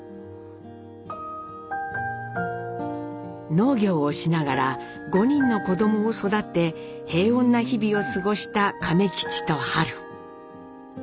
農業をしながら５人の子どもを育て平穏な日々を過ごした亀吉と春。